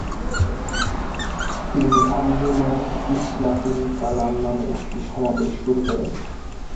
তিনি আঞ্জুমান ইসলাহুল কালাম নামে একটি সমাবেশ শুরু করেন।